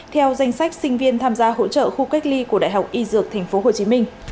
theo danh sách sinh viên tham gia hỗ trợ khu cách ly của đại học y dược tp hcm